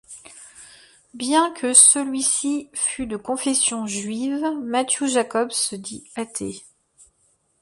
Bien que celui-ci fut de confession juive, Matthew Jacobs se dit athée.